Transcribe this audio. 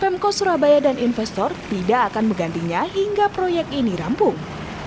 pemkot surabaya dan investor tidak akan menggantinya hingga proyek ini rampung